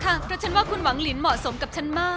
เพราะฉันว่าคุณหวังลินเหมาะสมกับฉันมาก